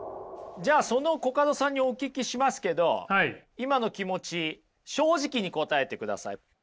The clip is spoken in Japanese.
じゃあそのコカドさんにお聞きしますけど今の気持ち正直に答えてください。